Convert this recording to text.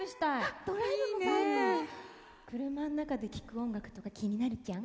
車ん中で聴く音楽とか気になるじゃん。